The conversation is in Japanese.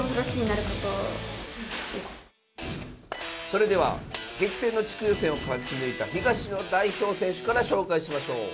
それでは激戦の地区予選を勝ち抜いた東の代表選手から紹介しましょう。